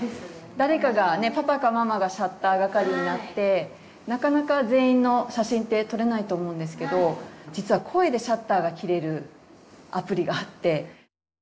誰かがねパパかママがシャッター係になってなかなか全員の写真って撮れないと思うんですけど実は声でシャッターがきれるアプリがあって。